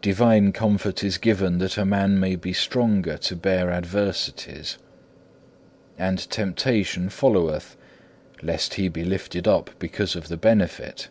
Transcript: Divine comfort is given that a man may be stronger to bear adversities. And temptation followeth, lest he be lifted up because of the benefit.